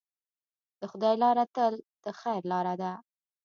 د خدای لاره تل د خیر لاره ده.